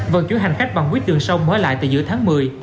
vận chuyển hành khách bằng buýt đường sông mới lại từ giữa tháng một mươi